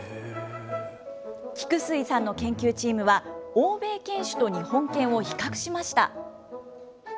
菊水さんの研究チームは、欧米犬種と日本犬を比較しました。